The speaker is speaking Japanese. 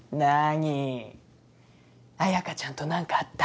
にー綾華ちゃんと何かあった？